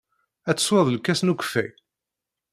Ad tesweḍ lkas n ukeffay?